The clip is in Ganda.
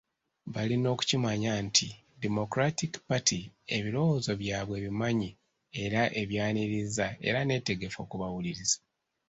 Balina okukimanya nti Democratic Party ebirowoozo byabwe ebimanyi era ebyaniriza era nneetegefu okubawuliriza.